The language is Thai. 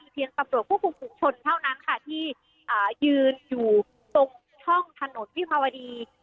เพียงปรับตรวจผู้ปลูกปลูกชนเท่านั้นค่ะที่อ่ายืนอยู่ตรงช่องถนนพิพาวดี